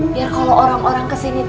biar kalau orang orang kesini